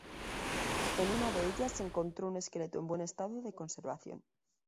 En una de ellas se encontró un esqueleto en buen estado de conservación.